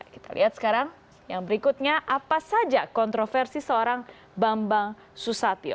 kita lihat sekarang yang berikutnya apa saja kontroversi seorang bambang susatyo